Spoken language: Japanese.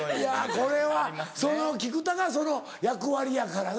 これは菊田がその役割やからな。